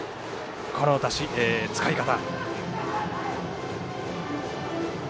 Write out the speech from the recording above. この使い方。